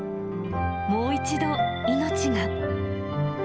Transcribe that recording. もう一度、命が。